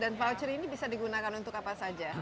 sepuluh dan voucher ini bisa digunakan untuk apa saja